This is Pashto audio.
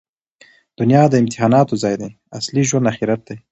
دونیا د امتحاناتو ځای دئ. اصلي ژوند آخرت دئ.